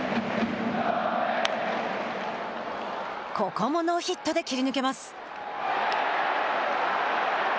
ここもノーヒットで切り抜けます。